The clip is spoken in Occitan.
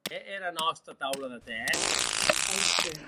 E era nòsta taula de tè?